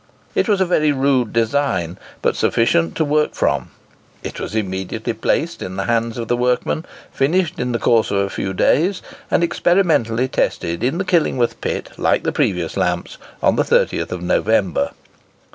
It was a very rude design, but sufficient to work from. It was immediately placed in the hands of the workmen, finished in the course of a few days, and experimentally tested in the Killingworth pit like the previous lamps, on the 30th November.